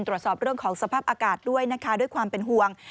ตรวจสอบเรื่องของสภาพอากาศด้วยนะคะด้วยความเป็นห่วง